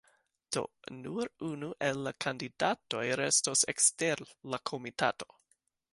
Do nur unu el la kandidatoj restos ekster la komitato.